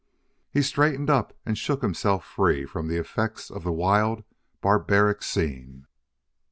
He straightened up and shook himself free from the effects of the wild, barbaric scene.